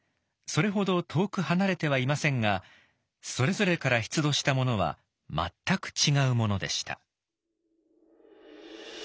それほど遠く離れてはいませんがそれぞれから出土したものは全く違うものでした。